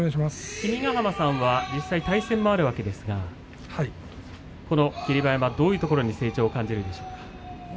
君ヶ濱さんは実際に対戦があるわけですけど霧馬山、どういうところに成長を感じるんでしょうか。